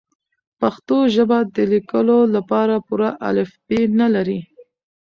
پښتو ژبه د لیکلو لپاره پوره الفبې نلري.